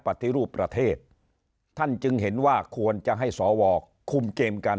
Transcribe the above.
ปฏิรูปประเทศท่านจึงเห็นว่าควรจะให้สวคุมเกมกัน